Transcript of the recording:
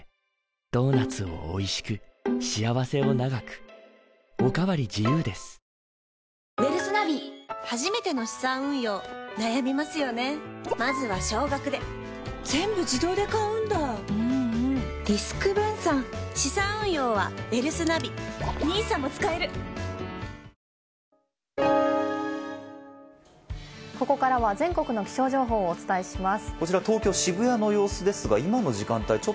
受賞理由については、ここからは全国の気象情報をお伝えします。